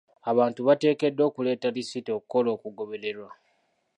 Abantu bateekeddwa okuleeta lisiiti okukola okugobererwa.